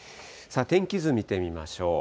天気図見てみましょう。